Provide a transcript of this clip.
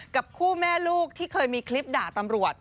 กับคู่แม่ลูกที่เคยมีคลิปด่าตำรวจ